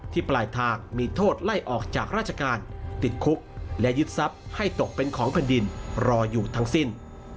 ปลายทางมีโทษไล่ออกจากราชการติดคุกและยึดทรัพย์ให้ตกเป็นของแผ่นดินรออยู่ทั้งสิ้น